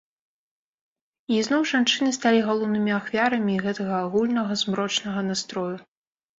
І ізноў жанчыны сталі галоўнымі ахвярамі гэтага агульнага змрочнага настрою.